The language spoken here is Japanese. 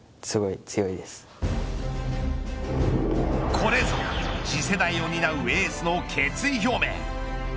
これぞ次世代を担うエースの決意表明。